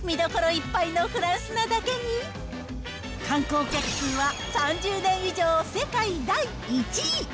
見どころいっぱいのフランスなだけに、観光客数は３０年以上、世界第１位。